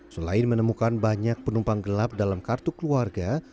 selain menemukan banyak penumpang gelap dalam kartu keluarga